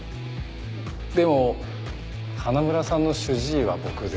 でも花村さんの主治医は僕ですが。